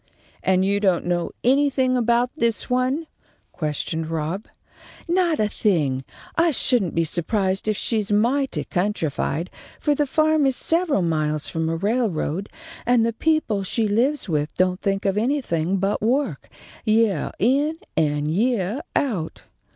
"And you don't know anything about this one?" questioned Rob. "Not a thing. I shouldn't be su'prised if she's mighty countrified, for the farm is several miles from a railroad, and the people she lives with don't think of anything but work, yeah in and yeah out."